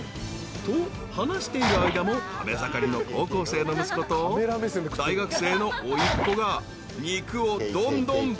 ［と話している間も食べ盛りの高校生の息子と大学生のおいっ子が肉をどんどん爆食い］